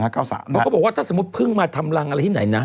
เขาบอกว่าถ้าสมมุติเพิ่งมาทำรังอะไรที่ไหนนะ